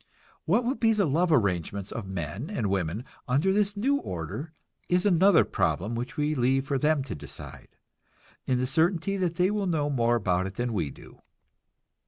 What will be the love arrangements of men and women under this new order is another problem which we leave for them to decide, in the certainty that they will know more about it than we do.